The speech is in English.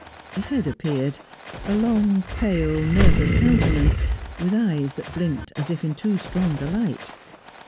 A head appeared; a long, pale, nervous countenance, with eyes that blinked as if in too strong a light.